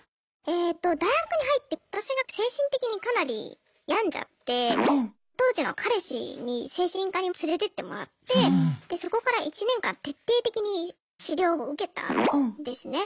えと大学に入って私が精神的にかなり病んじゃって当時の彼氏に精神科に連れてってもらってでそこから１年間徹底的に治療を受けたんですね。